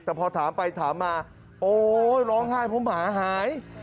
แต่พอถามไปถามมาโอ้ยร้องไห้ผมหาหาย